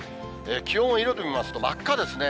気温を色で見ますと、真っ赤ですね。